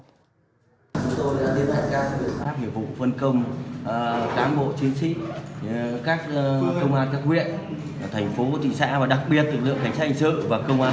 chúng tôi đã tiến hành các việc phân công cán bộ chiến sĩ các công an các huyện thành phố thị xã và đặc biệt tự lượng cảnh sát hành sức và công an